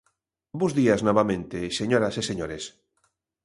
Bos días, novamente, señoras e señores.